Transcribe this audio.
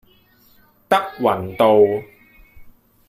德雲道